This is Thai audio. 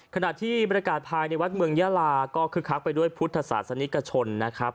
ขณะที่บรรยากาศภายในวัดเมืองยาลาก็คึกคักไปด้วยพุทธศาสนิกชนนะครับ